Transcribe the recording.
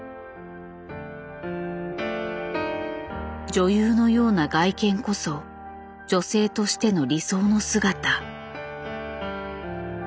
女優のような外見こそ女性としての理想の姿。